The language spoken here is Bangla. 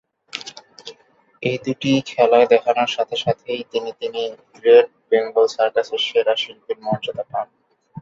এই দুটি খেলা দেখানোর সাথে সাথেই তিনি তিনি গ্রেট বেঙ্গল সার্কাসের সেরা শিল্পীর মর্যাদা পান।